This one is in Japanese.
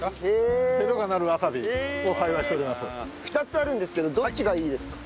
２つあるんですけどどっちがいいですか？